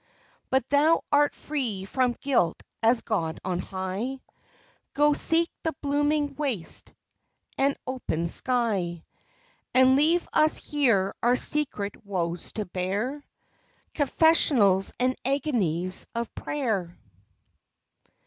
But thou art free from guilt as God on high; Go, seek the blooming waste and open sky, And leave us here our secret woes to bear, Confessionals and agonies of prayer.